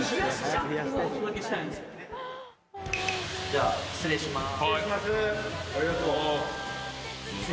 じゃあ、失礼しまーす。